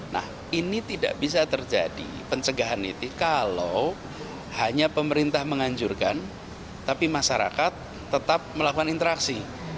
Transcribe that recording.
nah ini tidak bisa terjadi pencegahan itu kalau hanya pemerintah menganjurkan tapi masyarakat tetap melakukan interaksi